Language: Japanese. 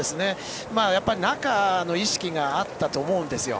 中の意識があったんだと思うんですよ。